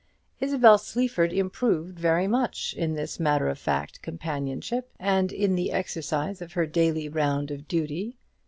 Isabel Sleaford improved very much in this matter of fact companionship, and in the exercise of her daily round of duty.